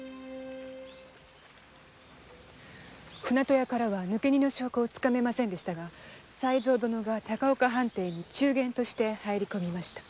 船渡屋からは抜け荷の証拠をつかめませんでしたが才三殿が高岡藩邸に中間として入り込みました。